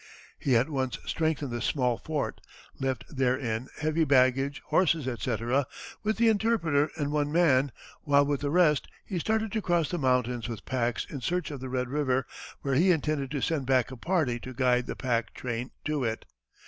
He at once strengthened the small fort, left therein heavy baggage, horses, etc., with the interpreter and one man, while with the rest he started to cross the mountains with packs in search of the Red River, where he intended to send back a party to guide the pack train to it.